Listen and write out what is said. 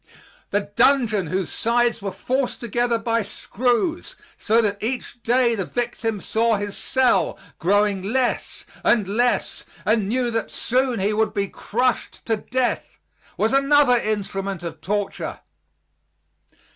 The dungeon whose sides were forced together by screws, so that each day the victim saw his cell growing less and less, and knew that soon he would be crushed to death, was another instrument of torture.